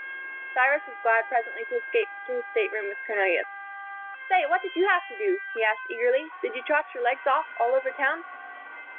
Cyrus was glad presently to escape to his stateroom with Cornelius. "Say, what did you have to do?" he asked, eagerly. "Did you trot your legs off all over town?"